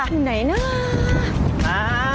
อยู่ไหนหน้า